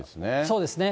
そうですね。